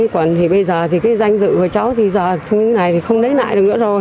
còn thì bây giờ thì cái danh dự của cháu thì giờ như thế này thì không lấy lại được nữa rồi